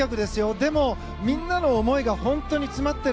でもみんなの思いが本当に詰まっている。